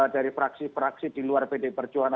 dari fraksi fraksi di luar pd perjuangan